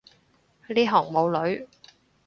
呢行冇女